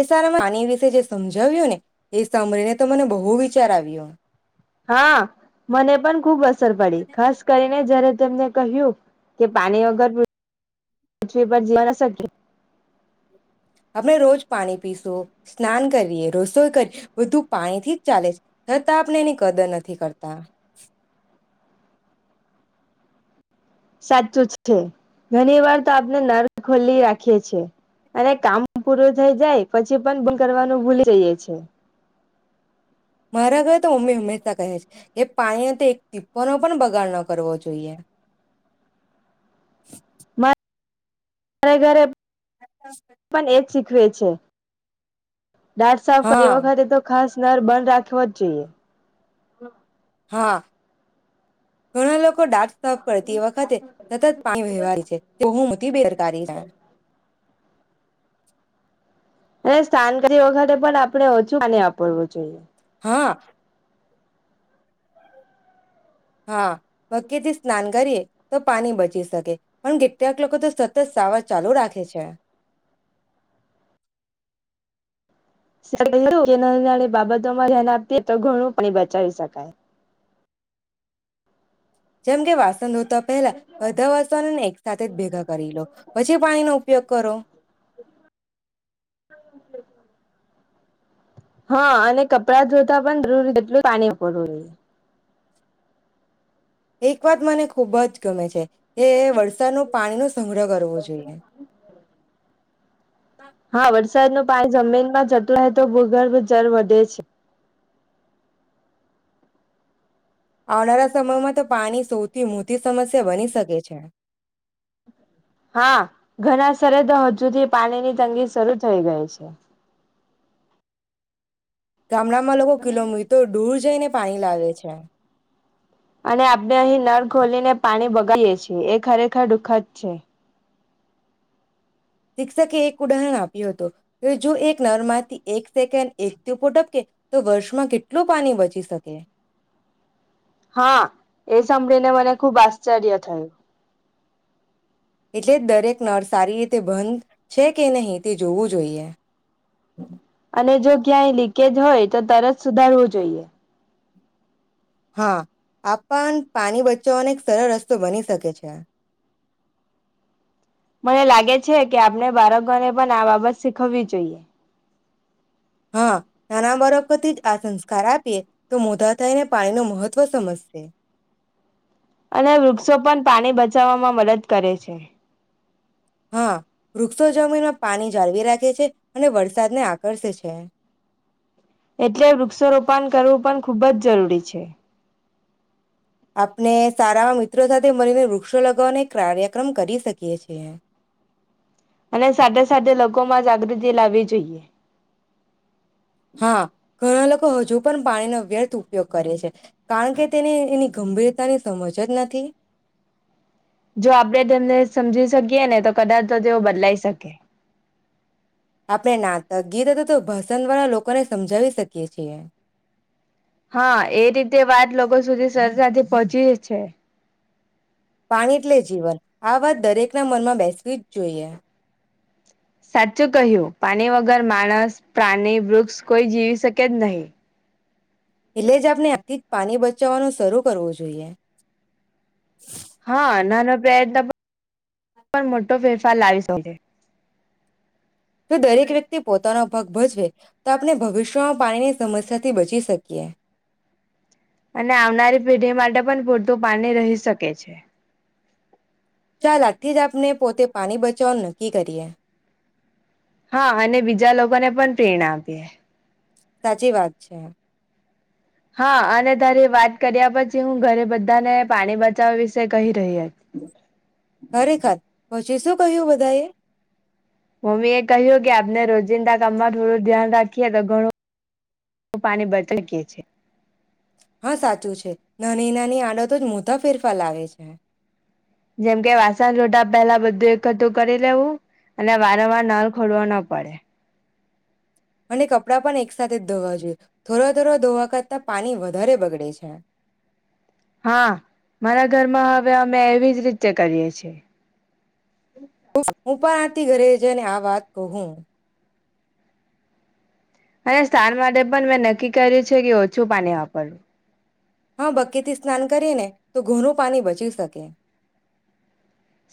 એ સાર આની વિશે જે સમજાવ્યું ને એ સાંભળીને તો મને બહુ વિચાર આવ્યો. હા મને પણ ખૂબ. ર પડી ખાસ કરીને જયારેને તેમને કહ્યું કે પાણી વગર. પૃથ્વી પર જિયા ન શકે. [inaudible] આપણે રોજ પાણી પીશું સ્નાન કરીએ રસોઈ કરીએ બધું પાણીથી જ ચાલે છે છતાં આપણે એની કદર નથી કરતા. [inaudible] સાચું છે ઘણી વાર તો આપણે નર ખોલી રાખીએ છેીએ અને કામ પૂરું થઈ જાય પછી પણ કરવાનું ભૂલી જઈએ છે. [unintelligible] મારા ઘરે તો મમ્મી હંમેશા કહે છે એ. પાણીએ તો એક ટીપનો પણ બગાડ ન કરવો જોઈએ. ઘરે ઘરે. અ. [inaudible] પણ એજ શીખવે છે. દાત સાફ કરે તે હા, વખતે તો ખાસ સનળ બંધ રાખવો જ જોઈએ. હા ઘણા લોકો દાત સાફ કરતી વખતે સતત પાણી વેવાય છે તે બો મોટી બેદરકારી છે. અને સ્થાન કરી વખતે પણ આપડે ઓછુંને વાપરવું જોઈએ. હા. હા. બકેટથી સ્નાન કરીએ તો પાણી બચી શકે પણ કેટલાક લોકો તો સતત સાવાર ચાલુ રાખે છે. નાની નાની બાબતોમાં ધ્યાન આપતી તો ઘણું પણ બચાવી શકાય. જેમ કે વાસણ ધો તો પહેલા બધા વાસણો ને એક સાથે જ ભેગા કરી લો પછી પાણીનો ઉપયોગ કરો. હા અને કપડા ધોતા પણ જરૂરી એટલું પાણી [unintelligible] એક વાત મને ખુબ જ ગમે છે. એ વરસાદ નું પાણીનું સંગ્રહ કરવો જોઈએ. હા વરસાદનો પાણી જમીનમાં જતો રહે હો તો ભૂગર્ભ જળ વધે છે. આવનારા સમયમાં તો પાણી શો થી મોટી સમસ્યા બની શકે છે. હા ઘણા સરે તો હજુથી પાણીની તંગી શરૂ થઈ ગઈ છે. ગામડામાં લોકો કિલોમીટર દૂર જઈને પાણી લાવે છે. અને આપણે અહી નળ ખોલીને પાણી બગાડીએ છીએ, એ ખરેખર દુઃખદ છે. શિક્ષકે એક ઉદાહરણ આપ્યો હતો કે જો એક નળમાંથી એક સેકન્ડ એક ટીપોટ કે તો વર્ષમાં કેટલું પાણી બચી શકે. હા એ સાંભળીને મને ખુબ આશ્ચર્ય થયું. એટલે જ દરેક નળ સારી તે બંધ છે કે નહીં તે જોવું જોઈએ. અને જો ક્યાંય લીકેજ હોય તો તરત સુધારવું જોઈએ. હા આ પણ પાણી બચે જો અનેક સરળ રસ્તો બની શકે છે. ક્યા? મને લાગે છે કે આપણે બાળકોને પણ આ બાબત શીખવવી જોઈએ. હા નાના બાળકો થીજ આ સંસ્કાર આપીએ તો મોઢા થઈને પાણીનું મહત્વ સમજશે. છે. અને વૃક્ષો પણ પાણી બચાવવામાં મદદ કરે છે. હા વૃક્ષો જમીનમાં પાણી જાળવી રાખે છે અને વરસાદને આકર્ષે છે. એટલે વૃક્ષ રોપણ કરવું પણ ખુબ જ જરૂરી છે. આપણે સારા મિત્રો સાથે મળરીને ર વૃક્ષો લગાવને કાર્યક્રમ કરી શકીએ છીએ. અને સાથે સાથે લોકો માં જાગૃતિ લાવવી જોઈએ. હા ઘણા લોકો હજુ પણ પાણીનો વ્યર્થ ઉપયોગ કરે છે કારણ કે તેને એની ગંભીરતાની સમજ જ નથી. જો આપડે તને સમજી શકીયએ ને તો કદાચ તો તેઓ બદલાઈ શકે. આપણે નાટક' ગીત અથવા તો ભાસ પસંદવાળા લોકોને સમજાવી શકીએ છીએ. હા એ રીતે વાત લોકો સુધી સરસાથી પહોંચી જ છે. પાણી એટલે જીવન આ વાત દરેક ના મનમાં બેસવી જ જોઈએ. સાચું કહ્યું પાણી વગર માણસ, પ્રાણી, વૃક્ષ કોઈ જીવી શકે જ નહી. એટલે જ આપને આથી જ પાણી બચ ચવાનું શરૂ કરવો જોઈએ હા નાનો પ્રયત્ન પણ પણ મોટો ફેરફાર લાવી શકે. જો દરેક વ્યક્તિ પોતાનો ભાગ ભજવે. તો આપણે ભવિષ્યમાં પાણીની સમસ્યા થી બચી શકીએ. અને આવનારી પેઢી માટે પણ પૂરતું પાણી રહી શકે છે. ચાલ આજથી જ આપને પોતે પાણી બચાવવાનું ન નક્કી કરીયે. હા અને બીજા લોકોને પણ પ્રેરણા આપીયે. સાચી વાત છે. હા અને તારી વાત કર્યા પછી હું ઘરે બધાને પાણી બચાવવા વિશે કહી રહ્યા છ. ખરેખર પછી શું કહ્યું બધા એ. મમ્મી એ કહ્યું કે આપને રોજિંદા કામમાં થોડું ધ્યાન રાખીએ તો ઘણું પાણી બચ છે. હા સાચું છે નાની નાની આડત તો જ મોટા ફેરફાર લાગે છે. જેમકે વાસણ ધોતા પહેલા બધું એકઠું કરી લેવું અને વારંવાર નળ ખોલવો ન પડે. અને કપડાં પણ એક સાથેથે જ ધોવા જોઈએ. થોડા થોડા ધોવા કરતા પાણી વધારે બગડે છે. હા મારા ઘરમાં. હવે અમે એવી જ રીતે કરીએ છીએ. હું પણ આતી ઘરે છે ને આ વાત. કહું. અને સ્થાન માટે પણ મેં નક્કી કર્યું છે કે ઓછું પાણી વાપરવું. હા બક્કીથી સ્નાન કરીએ ને તો ઘોનું પાણી બચી શકે.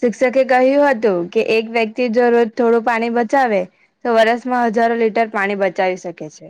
શિક્ષકે કહ્યું હતું કે એક વ્યક્તિ જો રોજ થોડું પાણી બચાવે તો વરષમાં હજારો લીટર પાણી બચાવી શકે છે.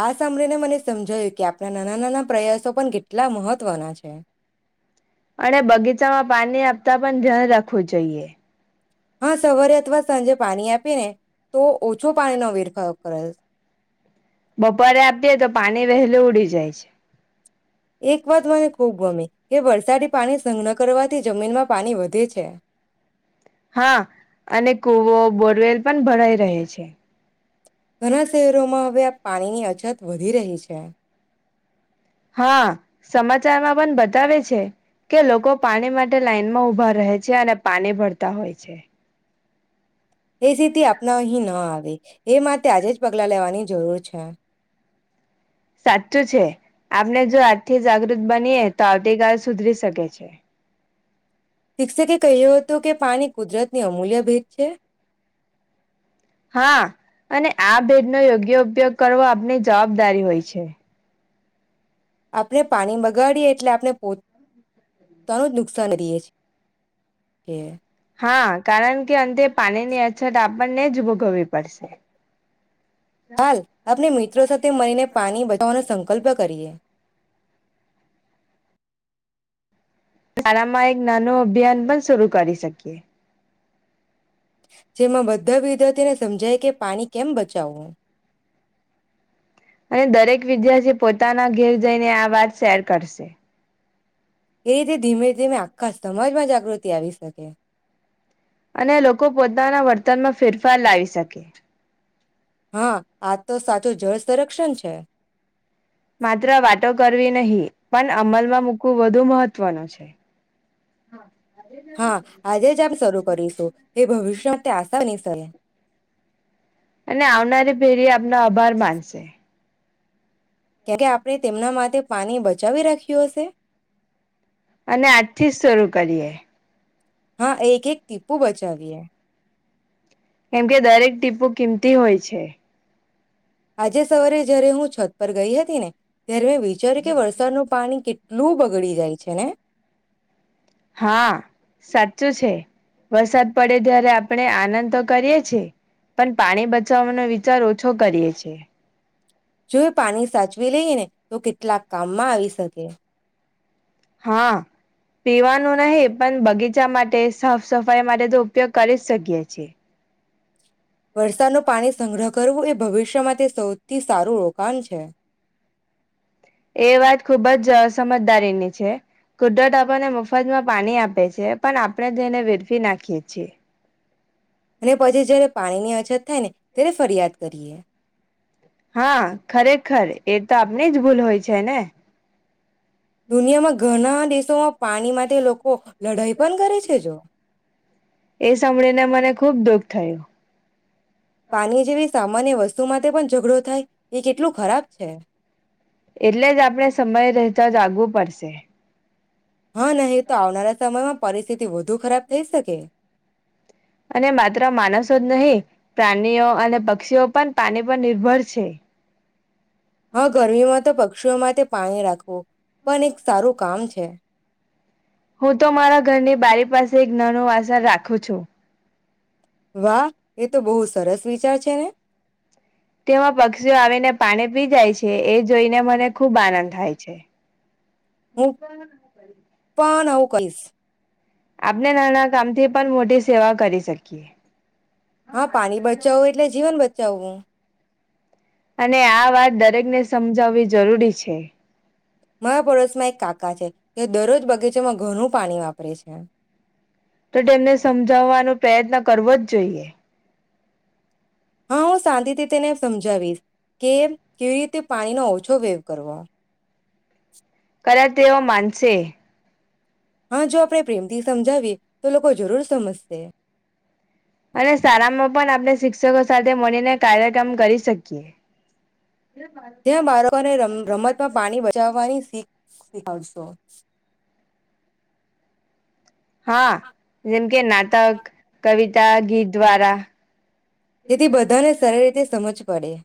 આ સાંભળીને મને સમજાયું કે આપ. આપણા નાના નાના પ્રયાસો પણ કેટલા મહત્વના છે. અને બગીચામાં પાણી આપતા પણ ધ્યાન રાખવું જોઈએ. હા સવારે અથવા સાંજે પાણી આપ. આપીને. તો ઓછો પાણીનો વેરફયોગ કરે. બપોરે આપીએ તો પાણી વહેલું ઉડી જાય છે. એક વાત મને ખૂબ ગમે. એ વરસાદી પાણી સંઘ્ન કરવાથી જમીનમાં પાણી વધે છે. હા અને કુવો બોરવેલ. પણ ભરાઈ રહે છે. ઘણા શહેરોમાં હવે આ પાણીની અજત વધી રહી છે. હા, સમાચારમાં પણ બતાવે છે. કે લોકો પાણી માટે લાઈનમાં ઉભા રહે છે અને પાની ભરતા હોય છે. એ સ્થિતિ આપનાહી ના આવે. એ માટે આજે જ પગલાં લેવાની જરૂર છે. સાચું છે. આપને જો આ થી જાગૃત બનીએ તો આવતી ગાસ સુધરી શકે છે. શિક્ષકે કહ્યું હતું કે પાણી કુદરતની અમૂલ્ય ભેદ છે. હા, અને આ ભેદ નો યોગ્ય ઉપયોગ કરવો આપની જવાબદારી હોય છે. આપણે પાણી બગાડીએ એટલે આપ ને પોત નાનું નુકસાન રહીએ છે એ. હા, કારણ કે અંતે પાણી ની અછત આપણને જ ભોગવવી પડશે. હાલ આપણે મિત્રો સાથે મળીને પાણી બચાવવાનો સંકલ્પ કરીએ. શાળામાં એક નાનું અભિયાન પણ શરૂ કરી શકીએ. જેમાં બધા વિદ્યાર્થીને સમજાય કે પાણી કેમ બચ જાવું અને દરેક વિદ્યાર્થી પોતાના ઘેર જઈને આ વાત શેર કરશે. એ રી ધીમે-ધીમે આખા સમજમાં જા ગૃતિ આવી શકે. અને લોકો પોતાના વર્તનમાં ફેરફાર લાવી શકે. હા, આજ તો સાચું જળ સંરક્ષણ છે. માત્ર વાતો કરવી નહીં પણ અમલમાં મૂકવું વધુ મહત્વનું છે. હા. હા, આજે જ આપ શરૂ કરીશું. એ ભવિષ્યમાં આસાની સરે. અને આવનારી પેરી આપનો આભાર માનશે. કેમ કે આપણે તેમના માટે પાણી બ ચાવી રાખ્યું હશે. અને આજથી જ શરૂ કરીએ. હા એક એક ટીપું બચાવીએ કેમ કે દરેક ટીપો કિંમતી હોય છે. આજે સવારે જય્યારે હું છત પર ગઈ હતી ને ત્યારે વિચાર્યું કે વરસાદ નું પાણી કેટલું બગડી જાય છે ને? હા, સાચું છે વરસાદ પડે ત્યારે આપણે આનંદ તો કરીએ છીએ પણ પાણી બચાવવાનો વિચાર ઓછો કરીએ છીએ. જોય પાણી સાચવી લઈ ને તો કેટલાક કામમાં આવી શકે. હા, પીવાનું નહીં પણ બગી ચા માટે સાફ-સફાઈ માટે તો ઉપયોગ કરી શકીએ છીએ. વરસાદ ન પાણી સંગ્રહ કરવું એ ભવિષ્યમાં તે સૌથી સારું રોકાણ છે. એ અને વાત ખુબ જસ સમજદારીની છે કુદરત આપણને મફતમાં પાણી આપે છે પણ આપણે તેને વેડફી નાખીએ છીએ. અને પછી જયારે પાણી ની અછત થાય ને તેને ફરિયાદ કરીએ. હા, ખરેખર એ તો આપની જ ભૂલ હોય છે ને. દુનિયામાં ઘણા દેશોમાં પાણી માટે લોકો લડાઈ પણ કરે છે જો. એ સાંભળી ને મને ખુબ દુઃખ થયું. પાણી જેવી સામાન્ય વસ્તુ માટે પણ ઝઘડો થાય એ કેટલું ખરાબ છે. એટલે જ આપણેે સમય રહેતા જાગવું પડશે. હા, નહી તો આવનારા સમયમાં પરિસ્થિતિ વધુ ખરાબ થઈ શકે. અને માત્ર માણસો જ નહીં પ્રાણીઓ અને પક્ષીઓ પણ પાણી પર નિર્ભર છે. હા, ગરમીમાં તો પક્ષીઓ માટે પાણી રાખવું પણ એક સારું કામ છે. હું તો મારા ઘરની બારી પાસે એક નાનો વાસણ રાખું છું. વાહ, એ તો બહુ સરસ વિચાર છે ને તેમાં પક્ષીઓ આવીને પાણી પી જાય છે એ જોઈને મને ખુબ આનંદ થાય છે. [unintelligible] કરીશ. આપણે નાના કામથી પણ મોટી સેવા કરી શકીએ. હા, પાણી બચાવવું એટલે જીવન બચાવવું એ અને આ વાત દરેકને સમજાવવી જરૂરી છે. મારા પડોશ માં એક કાકા છે તે દરરોજ બગીચેમાં ઘણું પાણી વાપરે છે. તો તેમને સમજાવવાનો પ્રયત્ન કરવો જ જોઈએ. હા હું શાંતિથી તેને સમજાવી કે કેવી રીતે પાણીનો ઓછો વેવ કરવો કદા તેઓ માનશે. હા જો આપણે પ્રેમથી સમજાવીએ તો લોકો જરૂર સમજશે. અને શાળામાં પણ આપણે શિક્ષકો સાથે મળીને કાર્યક્રમ કરી શકીએ. જ્યાં બાળકોને રમ્મ રમતમાં પાણી બચાવવાની શીખ. [unintelligible] હા જેમ કે નાટક કવિ [unintelligible] દ્વારા તેથી બધાને સરી રીતે સમજ પડે.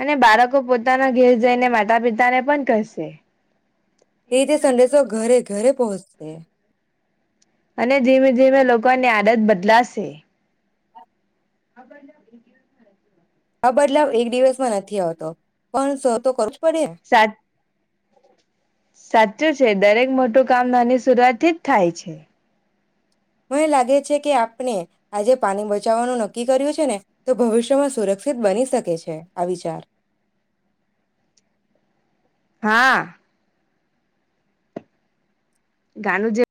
અને બાળકો પોતાના ઘેર જઈને માતા પિતાને પણ કશે. એ રીતે સંડેશો ઘરે ઘરે પહોંચશે. અને ધીમે ધીમે લોકોની આદત બદલાશે. [inaudible] આ બદલાવ એક દિવસમાં નથી આવ તો પણ. [unintelligible] પડે સા સાચું છે દરેક મોટું કામ નાની શરૂઆતથી જ થાય છે. મને લાગે છે કે આપને આજે પાણી બચાવવાનું નક્કી કર્યું છે ને તો ભવિષ્યમાં સુરક્ષિત બની શકે છે આ વિચાર. હા. [unintelligible] જે.